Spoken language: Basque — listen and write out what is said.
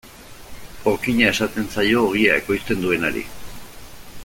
Okina esaten zaio ogia ekoizten duenari.